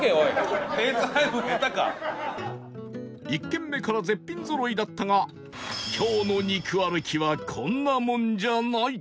１軒目から絶品ぞろいだったが今日の肉歩きはこんなもんじゃない！